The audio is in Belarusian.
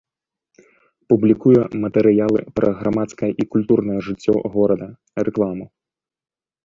Публікуе матэрыялы пра грамадскае і культурнае жыццё горада, рэкламу.